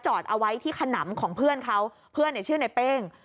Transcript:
จอดเอาไว้ที่ขนำของเพื่อนเขาเพื่อนเนี่ยชื่อในเป้ง